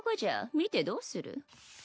見てどうする。